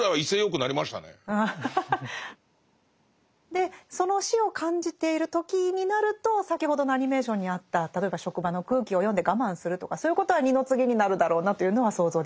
でその死を感じている時になると先ほどのアニメーションにあった例えば職場の空気を読んで我慢するとかそういうことは二の次になるだろうなというのは想像できますね。